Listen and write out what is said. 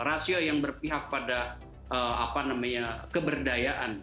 rasio yang berpihak pada apa namanya keberdayaan